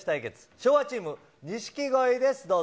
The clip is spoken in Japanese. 昭和チーム、錦鯉です、どうぞ。